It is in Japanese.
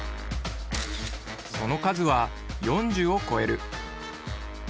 その数は４０を超える。